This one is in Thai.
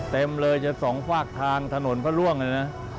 เต็มเลยอย่าส่งฝากทางถนนพระร่วงนี่นะ